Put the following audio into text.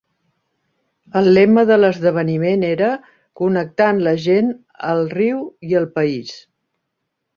El lema de l'esdeveniment era "Connectant la gent, el riu i el país".